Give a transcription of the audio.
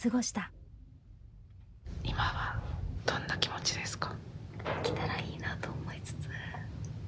今はどんな気持ちですか？